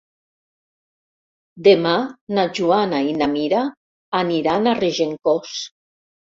Demà na Joana i na Mira aniran a Regencós.